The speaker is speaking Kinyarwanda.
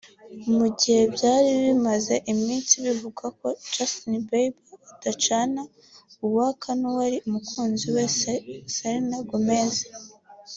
Mu gihe byari bimaze iminsi bivugwa ko Justin Bieber adacana uwaka n’uwari umukunzi we Selena Gomez